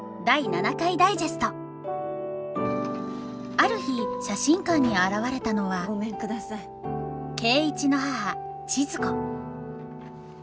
ある日写真館に現れたのは圭一の母千鶴子。